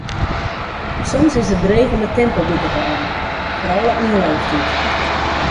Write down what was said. Soms is it dreech om it tempo by te hâlden, foaral op myn leeftiid.